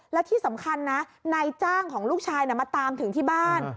แล้วที่สำคัญนะนายจ้างของลูกชายมาตามถึงที่บ้าน